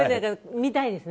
見たいですね